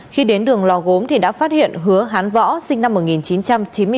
khi đến đường lò gốm thì đã phát hiện hứa hán võ sinh năm một nghìn chín trăm chín mươi bốn